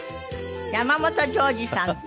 山本譲二さんと。